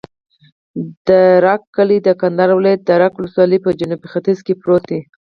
د رګ کلی د کندهار ولایت، رګ ولسوالي په جنوب ختیځ کې پروت دی.